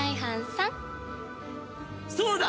そうだ！